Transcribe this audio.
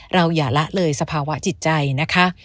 อย่าละเลยสภาวะจิตใจนะคะ